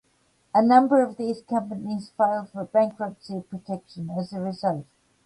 A number of these companies filed for bankruptcy protection as a result.